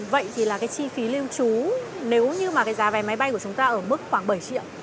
vậy thì là chi phí lưu trú nếu như giá vé máy bay của chúng ta ở mức khoảng bảy triệu